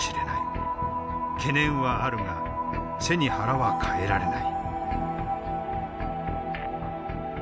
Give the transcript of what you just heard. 懸念はあるが背に腹は代えられない。